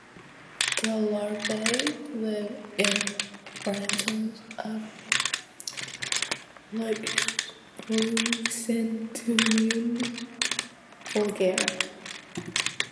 The larvae live in the rhizomes of "Leucanthemum vulgare".